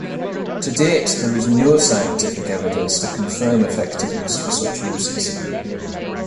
To date there is no scientific evidence to confirm effectiveness for such uses.